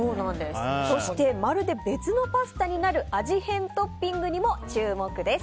そしてまるで別のパスタになる味変トッピングにも注目です。